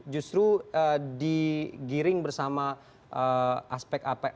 justru digiring bersama aspek aspek unsur politis begitu untuk fpi